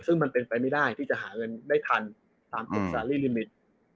ซึ่งมันเป็นไปไม่ได้ที่จะหาเงินได้ทันตามตึกซาลีลิมิต